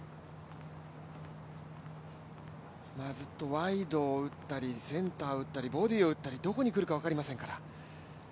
ワイドを打ったりセンターを打ったり、ボディーを打ったりとどこに来るか分かりませんから。